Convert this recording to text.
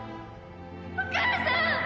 お母さん！